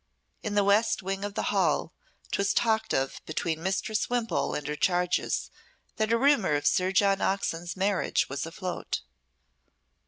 In the west wing of the Hall 'twas talked of between Mistress Wimpole and her charges, that a rumour of Sir John Oxon's marriage was afloat.